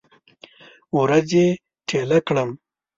ورځې ټیله کړم